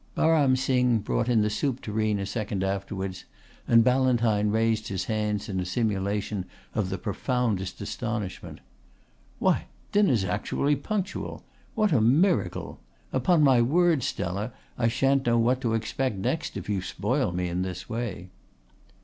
Baram Singh brought in the soup tureen a second afterwards and Ballantyne raised his hands in a simulation of the profoundest astonishment. "Why, dinner's actually punctual! What a miracle! Upon my word, Stella, I shan't know what to expect next if you spoil me in this way."